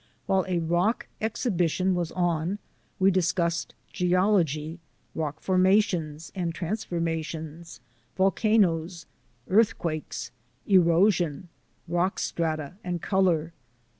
While a rock exhibition was on we discussed geology, rock formations and transformations, volcanoes, earthquakes, erosion, rock strata and colour.